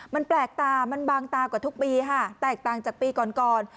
มันแปลกตามันบางตากว่าทุกปีค่ะแตกต่างจากปีก่อนก่อน